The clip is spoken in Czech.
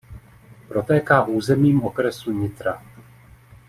Protéká územím okresu Nitra.